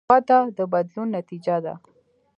وده د بدلون نتیجه ده.